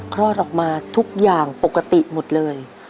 คลอดออกมาทุกอย่างปกติหมดเลย